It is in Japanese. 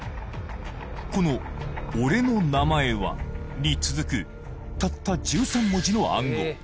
この「俺の名前は」に続くたった１３文字の暗号